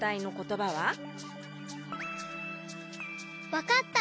わかった！